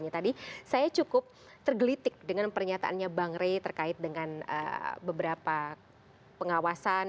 tergelitik dengan pernyataannya bang rey terkait dengan beberapa pengawasan